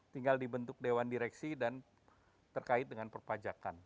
tinggal dibentuk dewan direksi dan terkait dengan perpajakan